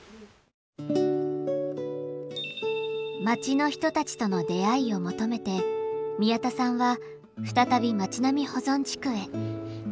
町の人たちとの出会いを求めて宮田さんは再び町並み保存地区へ。